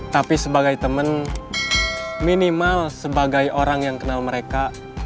tapi sebagai teman minimal sebagai orang yang kenal mereka